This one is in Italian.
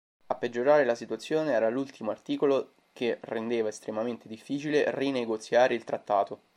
A peggiorare la situazione era l'ultimo articolo che rendeva estremamente difficile rinegoziare il trattato.